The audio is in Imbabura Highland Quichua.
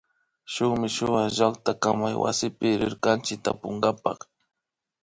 Shuk mishuwa llaktakamaywasi rirkanchik tapunkapa